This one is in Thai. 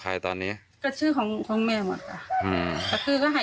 ใครตอนนี้ก็ชื่อของของแม่หมดจ้ะอืมก็คือก็ให้